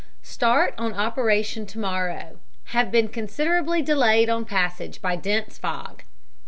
Start on operation to morrow. Have been considerably delayed on passage by dense fog.